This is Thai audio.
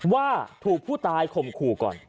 ว่าถูกผู้ตายคมครูก่อน